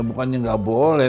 bukannya gak boleh